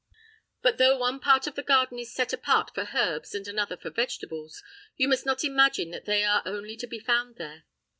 But though one part of the garden is set apart for herbs and another for vegetables, you must not imagine that they are only to be found there.